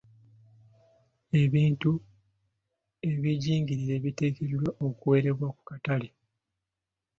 Ebintu ebijingirire biteekeddwa okuwerebwa ku katale.